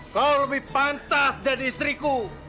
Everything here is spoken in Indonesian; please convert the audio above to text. kau lebih pantas jadi istriku